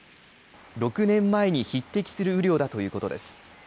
６年前に匹敵する雨量だということです。